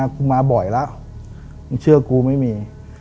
กูมาบ่อยแล้วมึงเชื่อกูไม่มี